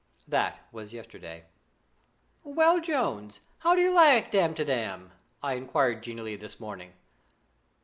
That was yesterday. "'Well, Jones, how do you like Damtidam?' I enquired genially this morning.